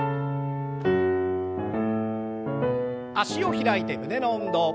脚を開いて胸の運動。